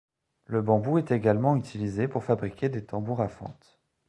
Le bambou est également utilisé pour fabriquer des tambours à fente.